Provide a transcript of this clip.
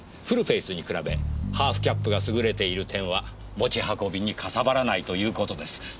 フルフェースに比べハーフキャップが優れている点は持ち運びにかさばらないという事です。